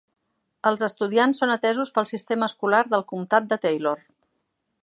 Els estudiants són atesos pel sistema escolar del comtat de Taylor.